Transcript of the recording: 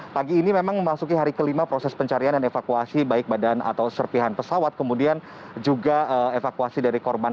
pagi ini memang memasuki hari kelima proses pencarian dan evakuasi baik badan atau serpihan pesawat kemudian juga evakuasi dari korban